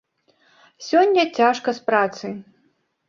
Сёння цяжка з працай.